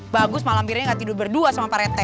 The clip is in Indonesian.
bagus malampirnya gak tidur berdua sama parete